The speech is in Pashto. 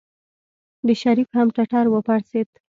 د شريف هم ټټر وپړسېد.